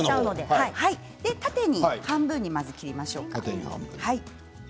縦に半分にまず切りましょうか。